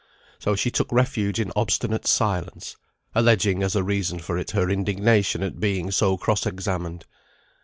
So she took refuge in obstinate silence, alleging as a reason for it her indignation at being so cross examined.